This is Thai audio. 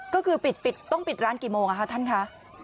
ก็คือปิดต้องปิดร้านกี่โมงท่านคะ